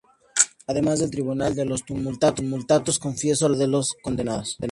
Además el Tribunal de los Tumultos confiscó las propiedades de los condenados.